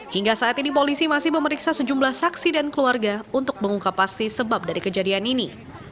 hingga saat ini polisi masih memeriksa sejumlah saksi dan keluarga untuk mengungkap pasti sebab dari kejadian ini